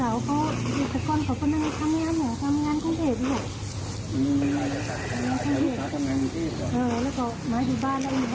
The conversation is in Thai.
หมาอยู่บ้านอะไรไหมของก็ไม่รู้นะ